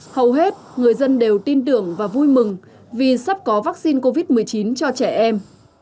hầu hết người dân đều tin tưởng và vui mừng vì sắp có vaccine covid một mươi chín cho trẻ em